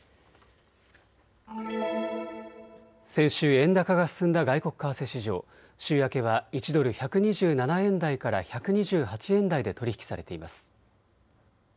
先週、円高が進んだ外国為替市場、週明けは１ドル１２７円台から１２８円台で取り引きされています。